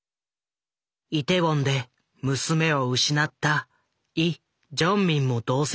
イテウォンで娘を失ったイ・ジョンミンも同席した。